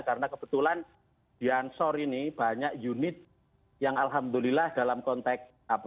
karena kebetulan di ansor ini banyak unit yang alhamdulillah dalam konteks